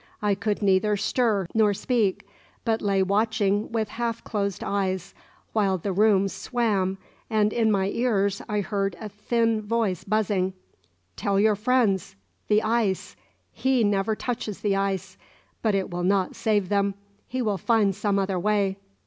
I could neither stir nor speak, but lay watching with half closed eyes, while the room swam and in my ears I heard a thin voice buzzing: "Tell your friends the ice he never touches the ice. But it will not save them. He will find some other way."